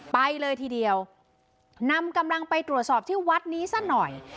ไปเลยทีเดียวนำกำลังไปตรวจสอบที่วัดนี้ซะหน่อย